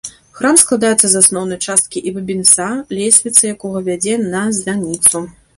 Храм складаецца з асноўнай часткі і бабінца, лесвіца якога вядзе на званіцу.